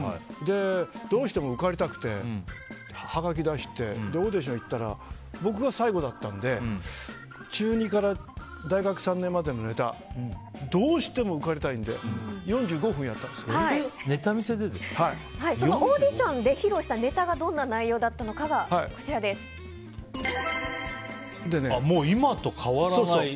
どうしても受かりたくてはがきを出してオーディションに行ったら僕が最後だったので中２から大学３年までのネタをどうしても受かりたいのでそのオーディションで披露した今と変わらない。